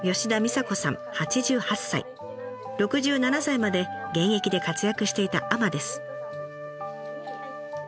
６７歳まで現役で活躍していた海女です。